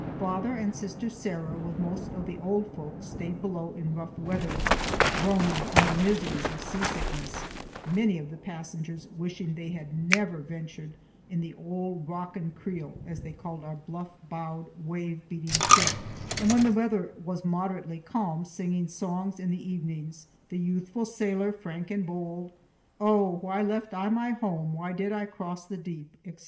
Father and sister Sarah, with most of the old folk, stayed below in rough weather, groaning in the miseries of seasickness, many of the passengers wishing they had never ventured in "the auld rockin' creel," as they called our bluff bowed, wave beating ship, and, when the weather was moderately calm, singing songs in the evenings,—"The Youthful Sailor Frank and Bold," "Oh, why left I my hame, why did I cross the deep," etc.